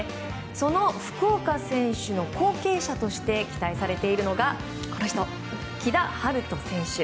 その福岡選手の後継者として期待されているのがこの人、木田晴斗選手。